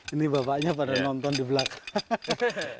ini bapaknya pada nonton di belakang